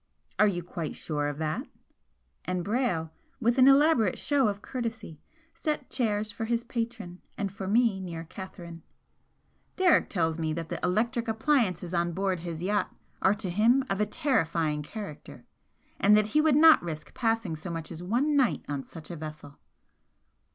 "Are you quite sure of that?" and Brayle, with an elaborate show of courtesy, set chairs for his patron and for me near Catherine "Derrick tells me that the electric appliances on board his yacht are to him of a terrifying character and that he would not risk passing so much as one night on such a vessel!"